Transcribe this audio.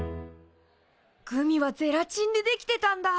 グミはゼラチンで出来てたんだ。